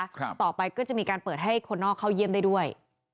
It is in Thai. ต่อไปก็จะมีการเปิดให้คนนอกเข้าเยี่ยมได้ด้วย